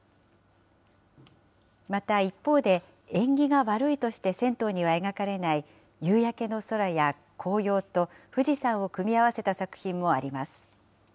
また一方で、縁起が悪いとして銭湯には描かれない夕焼けの空や紅葉と、富士山を組み合わせた作品もあります。